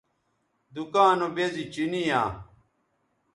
دکاں نو بیزی چینی یاں